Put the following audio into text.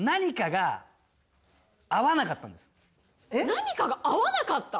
何かが合わなかった？